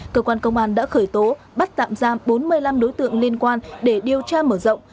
cơ quan công an đã khởi tố bắt tạm giam bốn mươi năm đối tượng liên quan để điều tra mở rộng